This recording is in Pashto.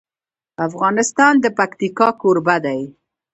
افغانستان د پکتیکا کوربه دی.